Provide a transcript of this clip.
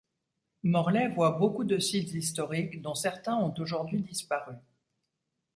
Morley voit beaucoup de sites historiques, dont certains ont aujourd'hui disparu.